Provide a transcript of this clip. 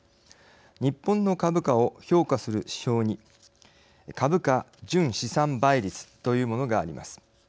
日本の株価を評価する指標に株価純資産倍率というものがあります。